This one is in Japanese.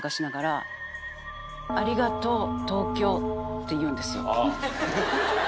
って言うんですよ。